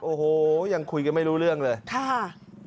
โอ้โหยังคุยกันไม่รู้เรื่องเลยค่ะ